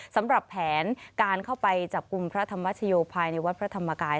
สำหรับแผนการเข้าไปจับกลุ่มพระธรรมชโยภายในวัดพระธรรมกาย